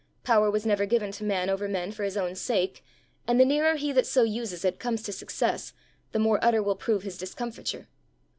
Power was never given to man over men for his own sake, and the nearer he that so uses it comes to success, the more utter will prove his discomfiture.